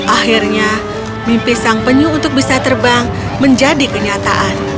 akhirnya mimpi sang penyu untuk bisa terbang menjadi kenyataan